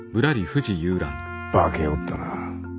化けおったな。